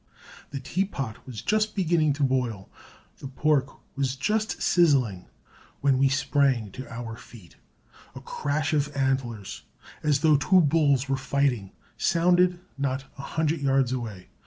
The teapot was just beginning to boil, the pork was just sizzling, when we sprang to our feet. A crash of antlers, as though two bulls were fighting, sounded not a hundred yards away.